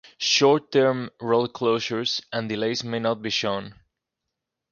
Short-term road closures and delays may not be shown.